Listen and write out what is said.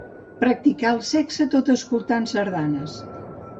Practicar el sexe tot escoltant sardanes.